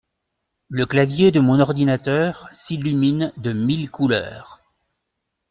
Le clavier de mon ordinateur s’illumine de mille couleurs.